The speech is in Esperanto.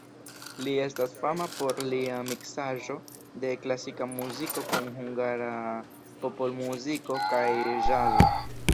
Li estas fama por lia miksaĵo de klasika muziko kun hungara popolmuziko kaj ĵazo.